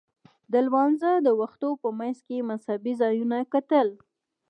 د لمانځه د وختونو په منځ کې مذهبي ځایونه کتل.